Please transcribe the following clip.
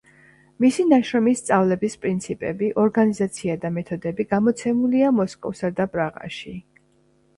მისი ნაშრომი „სწავლების პრინციპები, ორგანიზაცია და მეთოდები“ გამოცემულია მოსკოვსა და პრაღაში.